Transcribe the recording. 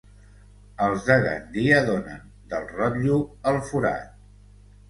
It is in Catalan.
Els de Gandia donen, del rotllo, el forat.